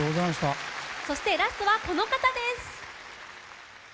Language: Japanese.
そしてラストはこの方です。